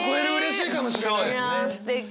いやすてき！